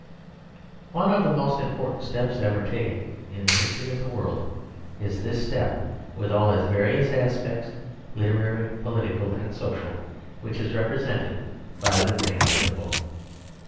One of the most important steps ever taken in the history of the world is this step, with all its various aspects, literary, political, and social, which is represented by The Ring and the Book.